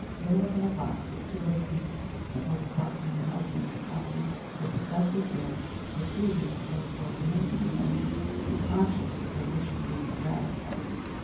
They were in a box with two other people, and both Flossy and her husband were talking with the festive air peculiar to those who are willing to be noticed and conscious that their wish is being gratified.